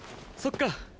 そっか。